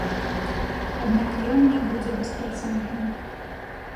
Аднак ён не будзе беспрацэнтным.